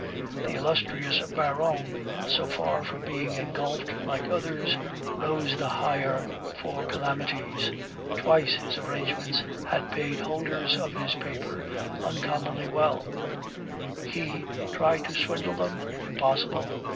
The illustrious Baron, so far from being engulfed like others, rose the higher for calamities. Twice his arrangements had paid holders of his paper uncommonly well; he try to swindle them? Impossible.